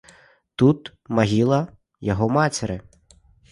Тут магіла яго мацеры.